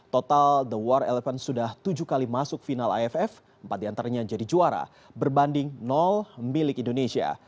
total the war eleven sudah tujuh kali masuk final aff empat diantaranya jadi juara berbanding milik indonesia